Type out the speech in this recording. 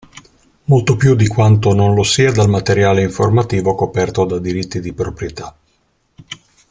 Molto più di quanto non lo sia dal materiale informativo coperto da diritti di proprietà.